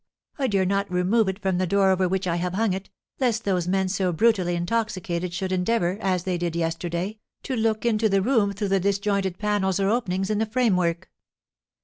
I dare not remove it from the door over which I have hung it, lest those men so brutally intoxicated should endeavour, as they did yesterday, to look into the room through the disjointed panels or openings in the framework.